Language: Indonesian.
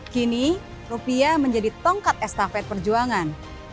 kini rupiah menjadi tongkat estafet perjuangan